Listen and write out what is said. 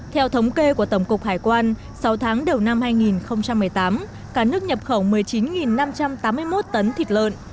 theo thống kê của tổng cục hải quan sáu tháng đầu năm hai nghìn một mươi tám cả nước nhập khẩu một mươi chín năm trăm tám mươi một tấn thịt lợn